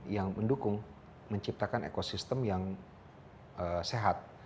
yang mendukung menciptakan ekosistem yang sehat